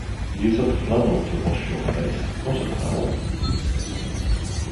Use a flannel to wash your face, not a towel